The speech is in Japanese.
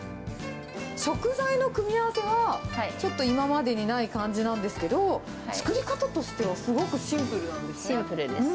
食材の組み合わせは、ちょっと今までにない感じなんですけど、作り方としては、すごくシンプルシンプルです。